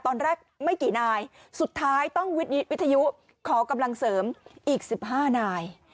ตอนแรกไม่กี่นายสุดท้ายต้องวิทยุขอกำลังเสริมอีก๑๕นาย